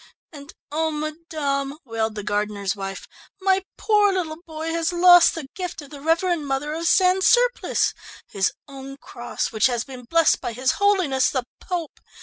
"And, oh, madame," wailed the gardener's wife, "my poor little boy has lost the gift of the Reverend Mother of San Surplice! His own cross which has been blessed by his holiness the Pope!